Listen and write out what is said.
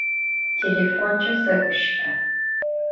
Têlêfonç'e seguşı'e.